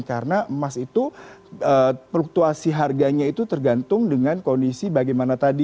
karena emas itu fluktuasi harganya itu tergantung dengan kondisi bagaimana tadi